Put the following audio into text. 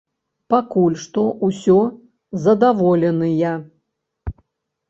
Пакуль што ўсё задаволеныя.